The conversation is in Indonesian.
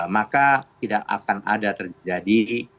maka tidak akan ada terjadi